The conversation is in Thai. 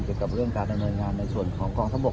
เกี่ยวกับเรื่องการดำเนินงานในส่วนของกองทัพบก